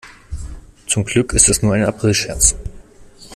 Zum Glück ist es nur ein Aprilscherz.